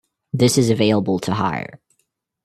This is available to hire.